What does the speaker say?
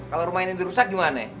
kalau rumah ini dirusak gimana